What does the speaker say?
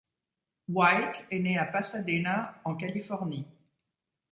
White est né à Pasadena en Californie.